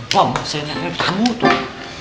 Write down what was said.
wah masain air semua tuh